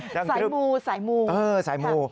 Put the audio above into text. ดังครึบเลยสายมู